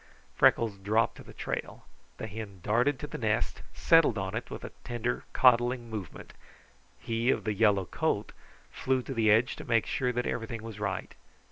Freckles dropped to the trail. The hen darted to the nest and settled on it with a tender, coddling movement. He of the yellow coat flew to the edge to make sure that everything was right.